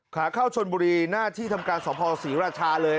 ขาเข้าชนบุรีหน้าที่ทำการสภศรีราชาเลย